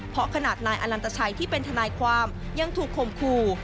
เพราะขนาดนายอนันตชัยที่เป็นทนายความยังถูกคมคู่